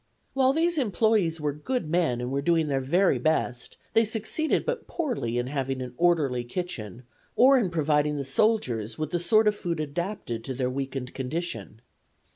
While these employes were good men and were doing their very best, they succeeded but poorly in having an orderly kitchen, or in providing the soldiers with the sort of food adapted to their weakened condition.